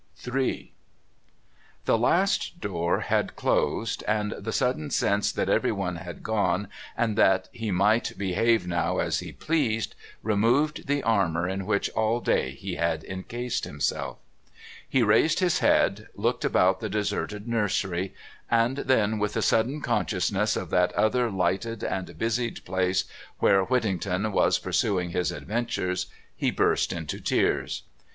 III The last door had closed, and the sudden sense that everyone had gone and that he might behave now as he pleased, removed the armour in which all day he had encased himself. He raised his head, looked about the deserted nursery, and then, with the sudden consciousness of that other lighted and busied place where Whittington was pursuing his adventures, he burst into tears.